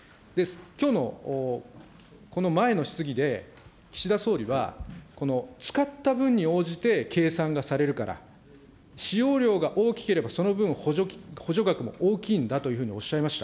きょうの、この前の質疑で、岸田総理は、この使った分に応じて計算がされるから、使用量が大きければ、その分、補助額も大きいんだというふうにおっしゃいました。